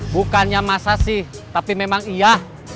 bukannya masa sih tapi memang iya